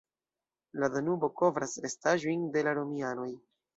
La Danubo kovras restaĵojn de la romianoj.